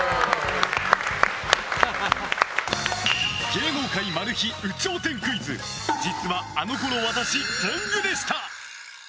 芸能界マル秘有頂天クイズ実はあの頃わたし天狗でした。